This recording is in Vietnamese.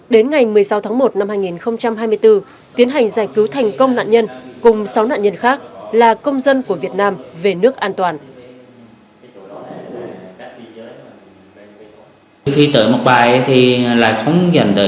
đến ngày một mươi sáu tháng một năm hai nghìn hai mươi bốn tiến hành giải cứu thành công nạn nhân cùng sáu nạn nhân khác là công dân của việt nam về nước an toàn